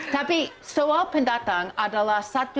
tapi semua pendatang adalah satu